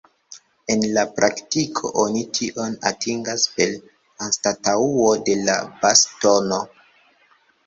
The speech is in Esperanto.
En la praktiko oni tion atingas per anstataŭo de la bas-tono.